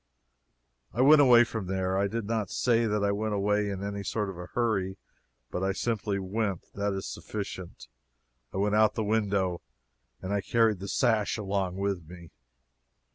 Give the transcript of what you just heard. I went away from there. I do not say that I went away in any sort of a hurry, but I simply went that is sufficient. I went out at the window, and I carried the sash along with me.